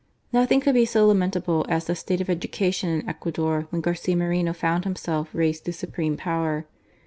Nothing could be so lamentable as the state of education in Ecuador when Garcia Moreho found himself raised to supreme power.